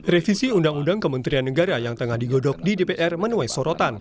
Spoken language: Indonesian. revisi undang undang kementerian negara yang tengah digodok di dpr menuai sorotan